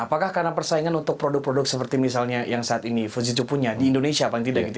apakah karena persaingan untuk produk produk seperti misalnya yang saat ini fujitsu punya di indonesia apa tidak